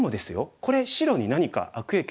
これ白に何か悪影響。